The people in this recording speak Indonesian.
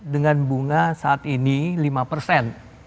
dengan bunga saat ini lima persen